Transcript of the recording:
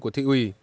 của thị ủy